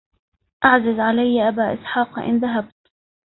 أعزز علي أبا إسحاق أن ذهبت